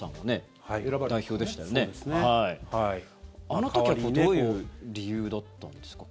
あの時はどういう理由だったんですか？